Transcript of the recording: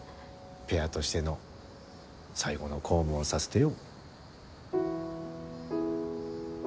ペアとしての最後の公務をさせてよ。